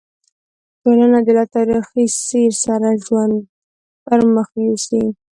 ټولنه دې له تاریخي سیر سره ژوند پر مخ یوسي.